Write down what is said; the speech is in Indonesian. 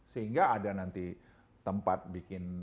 sehingga ada nanti tempat bikin